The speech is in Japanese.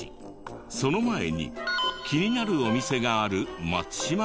その前に気になるお店がある松島町へ。